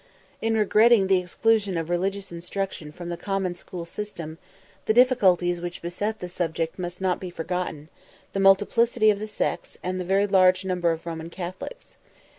In regretting the exclusion of religious instruction from the common school system, the difficulties which beset the subject must not be forgotten, the multiplicity of the sects, and the very large number of Roman Catholics.